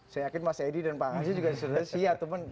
saya yakin mas edi dan pak aziz juga sudah siap